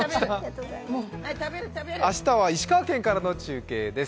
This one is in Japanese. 明日は石川県からの中継です。